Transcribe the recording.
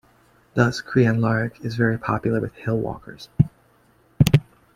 Thus Crianlarich is very popular with hillwalkers.